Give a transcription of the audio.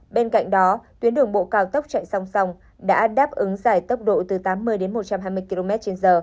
bên cạnh đó tuyến đường bộ cao tốc chạy song song đã đáp ứng giải tốc độ từ tám mươi một trăm hai mươi kmh